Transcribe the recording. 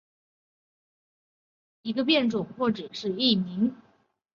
滇越省藤为省藤属泽生藤的一个变种或只是异名。